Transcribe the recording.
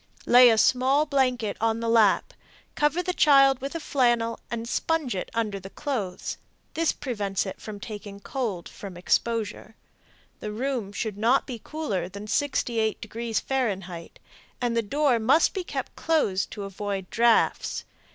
Lay a small blanket on the lap, cover the child with a flannel and sponge it under the clothes. This prevents it from taking cold from exposure, The room should not be cooler than 68 deg. F., and the door must be kept closed to avoid drafts.